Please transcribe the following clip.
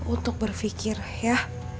untuk berpikir ya